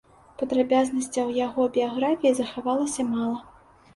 Падрабязнасцяў яго біяграфіі захавалася мала.